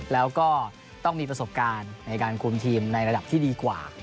แล้วก็ต้องมีประสบการณ์ในการคุมทีมในระดับที่ดีกว่า